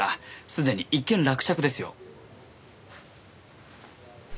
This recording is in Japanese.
すでに一件落着ですよ。